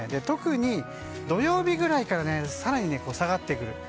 特に、土曜日ぐらいから更に下がってくる。